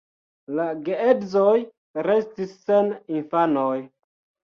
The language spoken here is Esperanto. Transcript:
La geedzoj restis sen infanoj.